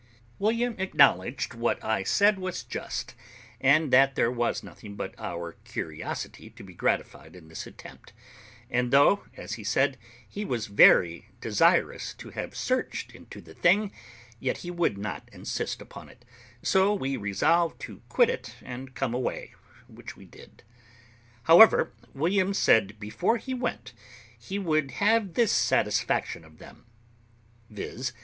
William acknowledged what I said was just, and that there was nothing but our curiosity to be gratified in this attempt; and though, as he said, he was very desirous to have searched into the thing, yet he would not insist upon it; so we resolved to quit it and come away, which we did. However, William said before we went he would have this satisfaction of them, viz.